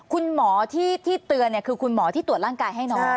คุณหมอที่เตือนคือคุณหมอที่ตรวจร่างกายให้น้อง